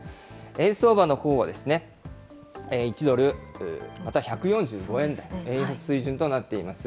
円相場のほうは、１ドルまた１４５円台、円安水準となっています。